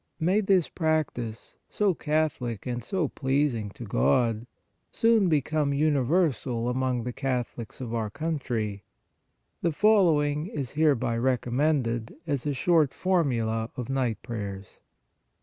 May this practice, so Catholic and so pleasing to God, soon become uni versal among the Catholics of our country! The following is hereby recommended as a short FORMULA OF NIGHT PRAYERS.